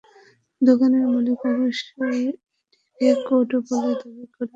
দোকানের মালিক অবশ্য এটিকে কোড বলে দাবি করেন ভ্রাম্যমাণ আদালতের কাছে।